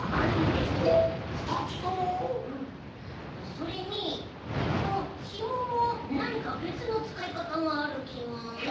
それにこのひももなにかべつのつかいかたがあるきが。え？